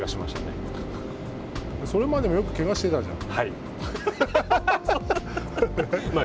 それまでも、よくけがしてたじはい。